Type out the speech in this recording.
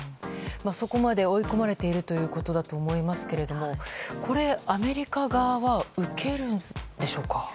そこまで追い込まれているということだと思いますがアメリカ側は受けるんでしょうか。